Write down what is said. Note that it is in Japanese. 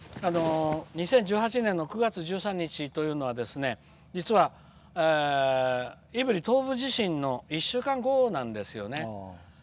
２０１８年の９月１３日というのは実は胆振東部地震の１週間後なんですよね。